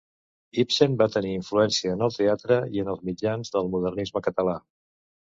Ibsen va tenir influència en el teatre i en els mitjans del modernisme català.